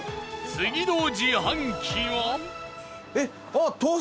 次の自販機は？